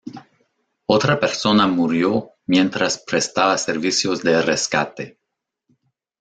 Otra persona murió mientras prestaba servicios de rescate.